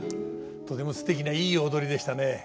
とてもすてきないい踊りでしたね。